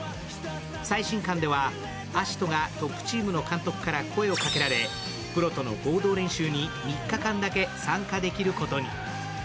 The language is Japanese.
最新刊では、葦人がトップチームの監督から声をかけられ、プロとの合同練習に３日間だけ参加できることに。